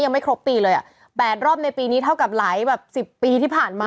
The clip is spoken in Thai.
ยังไม่ครบปีเลยอ่ะ๘รอบในปีนี้เท่ากับหลายแบบสิบปีที่ผ่านมา